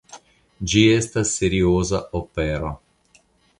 Ĝi estas serioza opero.